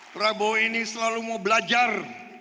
prabowo ini selalu mau belajar